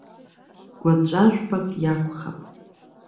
Гәаҵәажәпак иакәхап!